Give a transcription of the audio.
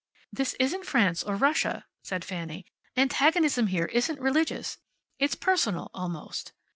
"This isn't France or Russia," said Fanny. "Antagonism here isn't religious. It's personal, almost.